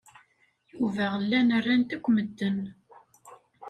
Yuba llan ran-t akk medden.